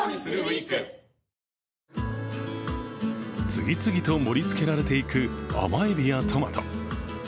次々と盛りつけられていく甘えびやトマト。